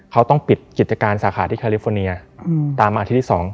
เขาต้องปิดกิจการสาขาที่คาลิฟอร์เนียตามมาอาทิตย์ที่๒